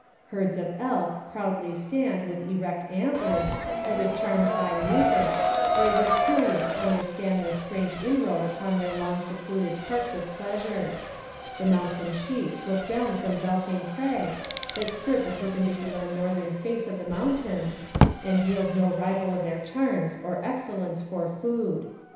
Herds of elk proudly stand with erect antlers, as if charmed by music, or as if curious to understand this strange inroad upon their long secluded parks of pleasure; the mountain sheep look down from belting crags that skirt the perpendic ular northern face of the mountains, and yield no rival of their charms or excellence for food.